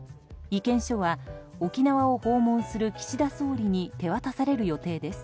意見書は沖縄を訪問する岸田総理に手渡される予定です。